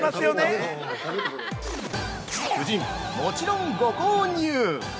◆夫人、もちろんご購入！